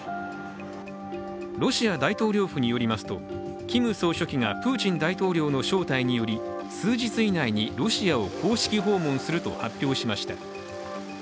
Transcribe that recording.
ロシア大統領府によりますと、キム総書記がプーチン大統領の招待により数日以内にロシアを公式訪問すると発表しました。